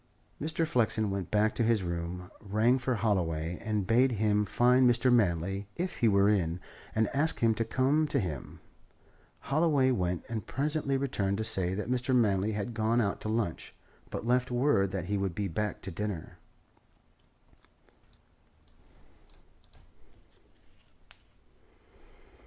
Mr. Flexen went back to his room, rang for Holloway, and bade him find Mr. Manley, if he were in, and ask him to come to him. Holloway went, and presently returned to say that Mr. Manley had gone out to lunch, but left word that he would be back to dinner.